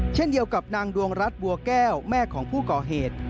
เช่นเดียวกับนางดวงรัฐบัวแก้วแม่ของผู้ก่อเหตุ